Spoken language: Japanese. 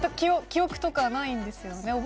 記憶とかはないんですよね？